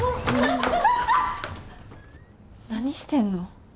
何してんの？